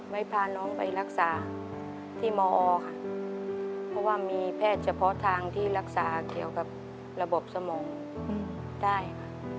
พาน้องไปรักษาที่มอค่ะเพราะว่ามีแพทย์เฉพาะทางที่รักษาเกี่ยวกับระบบสมองได้ค่ะ